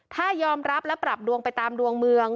ถ้ายอมรับและปรับดวงไปตามดวงเมือง